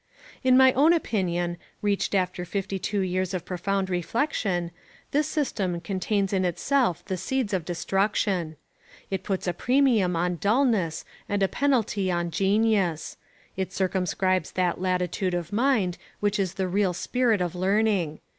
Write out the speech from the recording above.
In my own opinion, reached after fifty two years of profound reflection, this system contains in itself the seeds of destruction. It puts a premium on dulness and a penalty on genius. It circumscribes that latitude of mind which is the real spirit of learning.